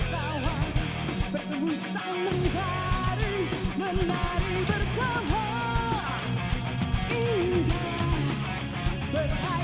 selamat atas peresmian jakarta international stadium